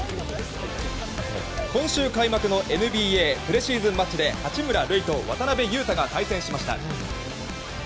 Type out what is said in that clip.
今週開幕のＮＢＡプレシーズンマッチで八村塁と渡邊雄太が対戦しました。